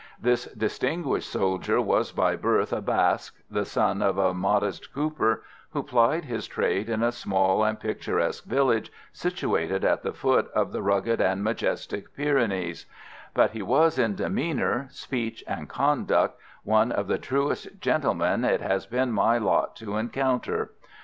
This distinguished soldier was by birth a Basque, the son of a modest cooper, who plied his trade in a small and picturesque village situated at the foot of the rugged and majestic Pyrenees; but he was in demeanour, speech and conduct, one of the truest gentlemen it has been my lot to encounter.